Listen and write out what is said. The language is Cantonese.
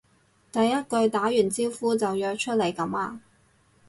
第一句打完招呼就約出嚟噉呀？